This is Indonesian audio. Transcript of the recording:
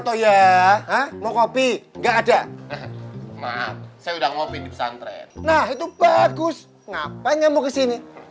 toya mau kopi nggak ada maaf saya udah ngopi di pesantren nah itu bagus ngapain kamu kesini